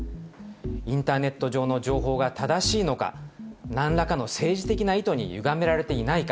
インターネット上の情報が正しいのか、なんらかの政治的な意図にゆがめられていないか。